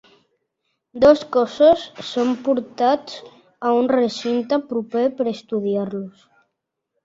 Dos cossos són portats a un recinte proper per estudiar-los.